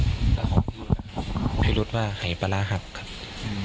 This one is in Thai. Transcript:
และหลุดว่าหายปาระหับค่ะ